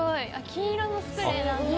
金色のスプレーなんだ。